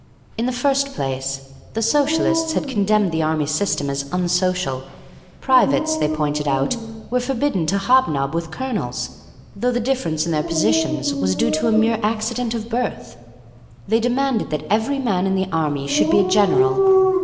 In the first place, the Socialists had condemned the army system as unsocial. Privates, they pointed out, were forbidden to hob nob with colonels, though the difference in their positions was due to a mere accident of birth. They demanded that every man in the army should be a general.